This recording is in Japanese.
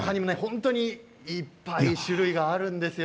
いっぱい種類があるんですよ。